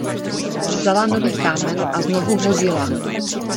Vzala nový kámen a znovu hodila.